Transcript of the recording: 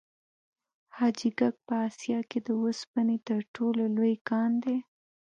حاجي ګک په اسیا کې د وسپنې تر ټولو لوی کان دی.